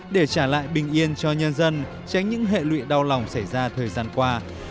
để trả lại bình yên cho nhân dân tránh những hệ lụy đau lòng xảy ra thời gian qua